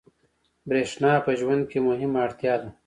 برېښنا په ژوند کې مهمه اړتیا ده.